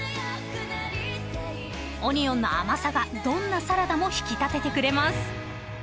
［オニオンの甘さがどんなサラダも引き立ててくれます］